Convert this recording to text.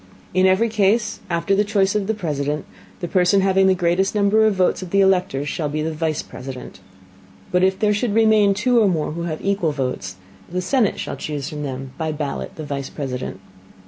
In every Case, after the Choice of the President, the Person having the greatest Number of Votes of the Electors shall be the Vice President. But if there should remain two or more who have equal Votes, the Senate shall chuse from them by Ballot the Vice President.